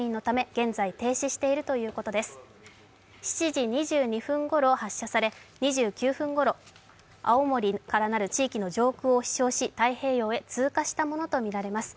７時２２分ごろ発射され、２９分ごろ、青森からなる地域の上空を飛翔し、太平洋へ通過したものとみられます。